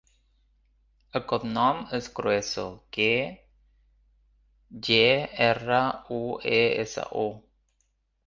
El cognom és Grueso: ge, erra, u, e, essa, o.